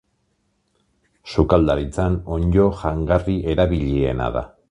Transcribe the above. Sukaldaritzan onddo jangarri erabiliena da.